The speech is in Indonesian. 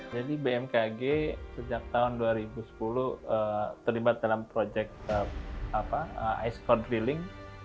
jadi bmkg sejak tahun dua ribu sepuluh terlibat dalam proyek ice cold drilling